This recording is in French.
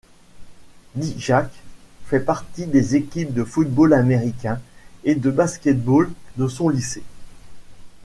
Dijak fait partie des équipes de football américain et de basketball de son lycée.